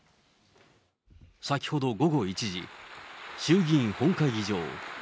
先ほど午後１時、衆議院本会議場。